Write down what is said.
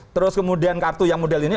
terus kemudian kartu yang model ini